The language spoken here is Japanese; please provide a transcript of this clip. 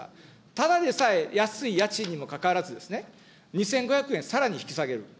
ただでさえ安い家賃にもかかわらず、２５００円、さらに引き下げる。